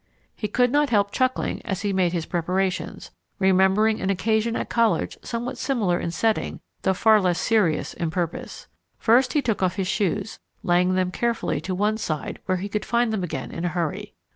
He could not help chuckling as he made his preparations, remembering an occasion at college somewhat similar in setting though far less serious in purpose. First he took off his shoes, laying them carefully to one side where he could find them again in a hurry.